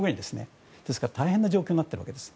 ですから大変な状況になっているわけです。